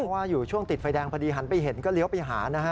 เพราะว่าอยู่ช่วงติดไฟแดงพอดีหันไปเห็นก็เลี้ยวไปหานะฮะ